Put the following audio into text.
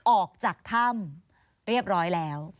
ออกจากถ้ำเรียบร้อยแล้ว